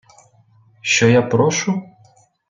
Що я прошу?